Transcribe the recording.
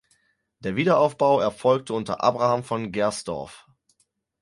Der Wiederaufbau erfolgte unter Abraham von Gersdorff.